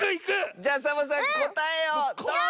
じゃあサボさんこたえをどうぞ！